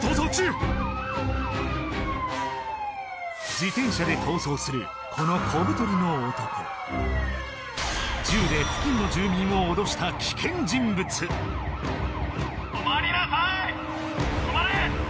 自転車で逃走するこの小太りの男銃で付近の住民を脅した危険人物止まりなさい！